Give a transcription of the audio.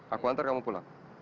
aku hantar kamu pulang